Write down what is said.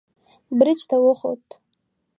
برج ته وخوت.